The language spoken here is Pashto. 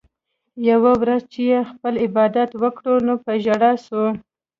يوه ورځ چې ئې خپل عبادت وکړو نو پۀ ژړا شو